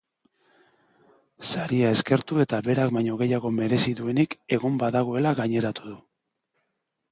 Saria eskertu eta berak baino gehiago merezi duenik egon badagoela gaineratu du.